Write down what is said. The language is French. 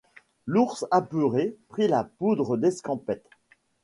L'ours apeuré pris la poudre d'escampette.